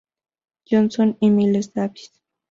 Johnson y Miles Davis.